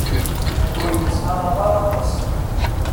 Ur yettxalaḍ ara aṭas.